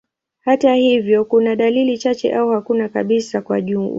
Hata hivyo, kuna dalili chache au hakuna kabisa kwa ujumla.